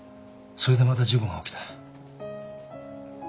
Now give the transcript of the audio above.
それでまた事故が起きた。